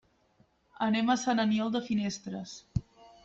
Anem a Sant Aniol de Finestres.